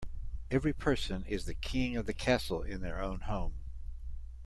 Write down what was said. Every person is the king of the castle in their own home.